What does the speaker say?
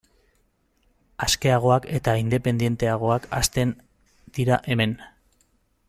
Askeagoak eta independenteagoak hazten dira hemen.